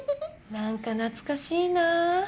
何か懐かしいなぁ。